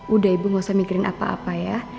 udah ibu gak usah mikirin apa apa ya